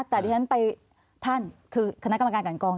แต่ที่ฉันไปท่านคือคณะกรรมการกันกอง